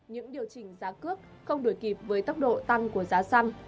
những điều chỉnh giá cước không đuổi kịp với tốc độ tăng của giá xăng